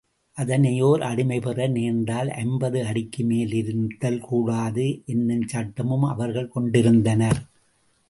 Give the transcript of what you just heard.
அதனை ஓர் அடிமை பெற நேர்ந்தால் ஐம்பது அடிக்குமேல் இருத்தல் கூடாது என்னும் சட்டமும் அவர்கள் கொண்டிருந்தனர்.